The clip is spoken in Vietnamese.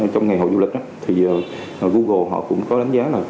trong ngày hội du lịch á thì google họ cũng có đánh giá là